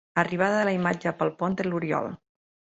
Arribada de la imatge pel pont de l'Oriol.